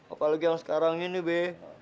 apalagi yang sekarang ini b